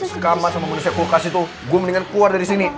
sekarang masa mau gue disekulkas itu gue mendingan keluar dari sini